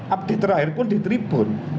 update terakhir pun di tribun